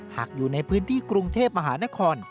อยู่ในพื้นที่กรุงเทพมหานคร